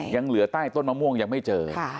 ยังเหลือใต้ต้นมะม่วงยังไม่เจอ